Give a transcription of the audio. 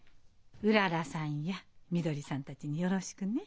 うららさんやみどりさんたちによろしくね。